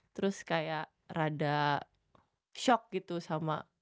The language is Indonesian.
terus kayak rada shock gitu sama